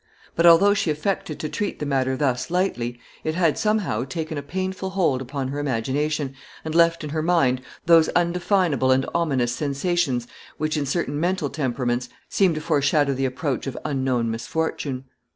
But, although she affected to treat the matter thus lightly, it had, somehow, taken a painful hold upon her imagination, and left in her mind those undefinable and ominous sensations, which, in certain mental temperaments, seem to foreshadow the approach of unknown misfortune.